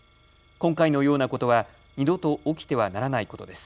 今回のようなことは二度と起きてはならないことです。